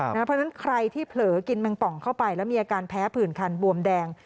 เพราะฉะนั้นใครที่เผลอกินแมงป่องเข้าไปแล้วมีอาการแพ้ผื่นคันบวมแดง